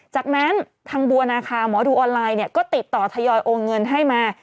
จากนั้นทางบัวนาคาหมอดูออนไลน์ก็ติดต่อทยอยโอนเงินให้มา